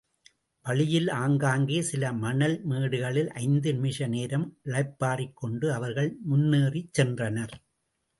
வழியில் ஆங்காங்கே சில மணல் மேடுகளில் ஐந்து நிமிஷ நேரம் இளைப்பாறிக் கொண்டு அவர்கள் முன்னேறிச்சென்றனர்.